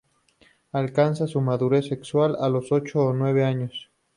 Alcanzan su madurez sexual a los ocho o nueve años.